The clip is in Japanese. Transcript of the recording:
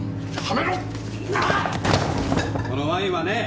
このワインはね